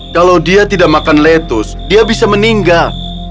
kalau dia tidak makan lettuce dia bisa meninggal